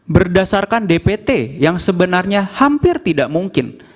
berdasarkan dpt yang sebenarnya hampir tidak mungkin